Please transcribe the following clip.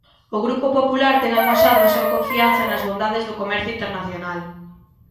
O Grupo Popular ten amosado a súa confianza nas bondades do comercio internacional.